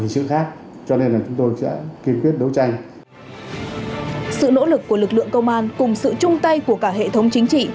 sự nỗ lực của lực lượng công an cùng sự chung tay của cả hệ thống chính trị